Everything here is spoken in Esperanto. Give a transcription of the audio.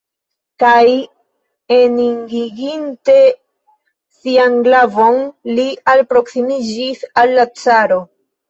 Kaj eningiginte sian glavon, li alproksimiĝis al la caro.